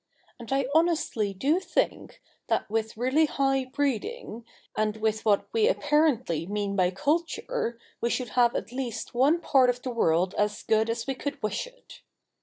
And I honestly do think, that with really high breeding, and with what, we apparently mean by culture, we should have at least one part of the world as good as we could wish it.